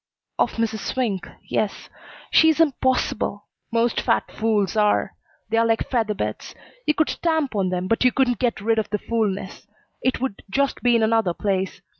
"Of Mrs. Swink, yes. She's impossible. Most fat fools are. They're like feather beds. You could stamp on them, but you couldn't get rid of the fool ness. It would just be in another place.